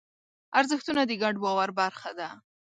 ارزښتونه د ګډ باور برخه ده.